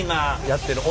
やってる。